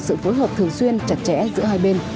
sự phối hợp thường xuyên chặt chẽ giữa hai bên